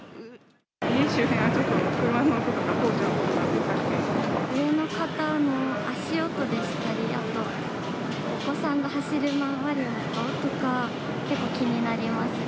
家周辺の車の音とか工事の音上の方の足音でしたり、あとお子さんの走り回る音とか結構気になりますね。